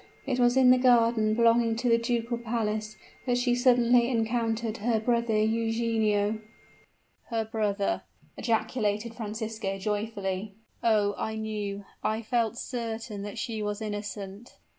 It was in the garden belonging to the ducal palace that she suddenly encountered her brother Eugenio " "Her brother!" ejaculated Francisco, joyfully. "Oh! I knew, I felt certain that she was innocent."